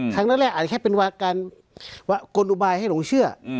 ครั้งแรกอาจจะแค่เป็นการกลอุบายให้หลงเชื่อ